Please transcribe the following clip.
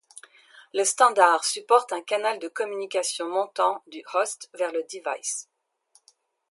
Le standard supporte un canal de communication montant du host vers le device.